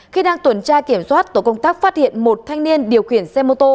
khi đang tuần tra kiểm soát tổ công tác phát hiện một thanh niên điều khiển xe mô tô